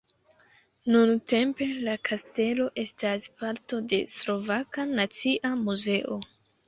Nuntempe la kastelo estas parto de Slovaka nacia muzeo.